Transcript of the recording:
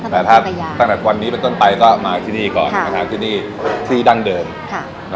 ล่ะครับตั้งแต่วันนี้เป็นต้นไปก็มาที่นี่ก่อนเพราะถ้าที่นี่ที่ดังเดิมค่ะ